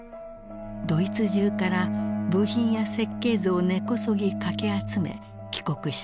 ドイツ中から部品や設計図を根こそぎかき集め帰国した。